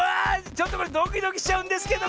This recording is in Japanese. ちょっとこれドキドキしちゃうんですけど！